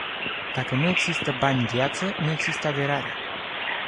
Dacă nu există bani gheață, nu există aderare.